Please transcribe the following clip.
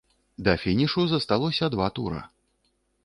Да фінішу засталіся два тура.